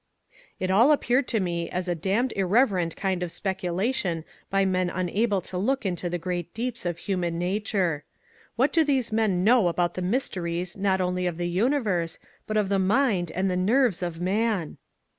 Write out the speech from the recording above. ^^ It all appeared to me a damned irreverent kind of speculation by men unable to look into the great deeps of human nature. What do these men know about the mysteries not only of the universe but of the mind and the nerves of man